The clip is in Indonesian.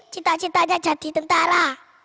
cita citanya jadi tentara